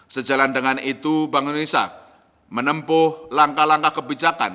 sejalan dengan itu bank indonesia menempuh langkah langkah kebijakan